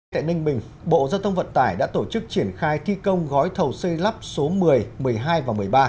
tại ninh bình bộ giao thông vận tải đã tổ chức triển khai thi công gói thầu xây lắp số một mươi một mươi hai và một mươi ba